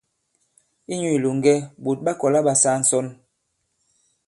Inyū ilòŋgɛ, ɓòt ɓa kɔ̀la ɓa saa ǹsɔn.